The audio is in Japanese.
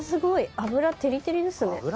脂テリテリですね。